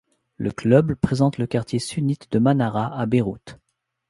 Le club représente le quartier sunnite de Manara à Beyrouth.